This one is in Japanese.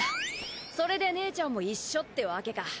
それで姉ちゃんも一緒ってわけか。